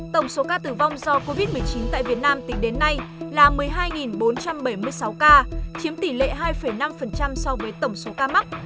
tổng số ca tử vong do covid một mươi chín tại việt nam tính đến nay là một mươi hai bốn trăm bảy mươi sáu ca chiếm tỷ lệ hai năm so với tổng số ca mắc